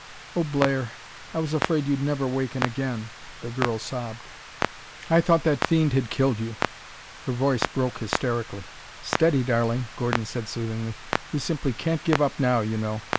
"Oh, Blair, I was afraid you'd never waken again," the girl sobbed. "I thought that fiend had killed you!" Her voice broke hysterically. "Steady, darling," Gordon said soothingly. "We simply can't give up now, you know.